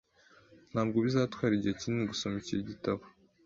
Ntabwo bizatwara igihe kinini gusoma icyo gitabo .